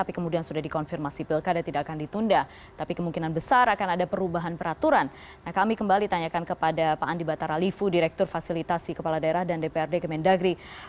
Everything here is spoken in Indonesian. pak andi batara livu direktur fasilitasi kepala daerah dan dprd kementerian negeri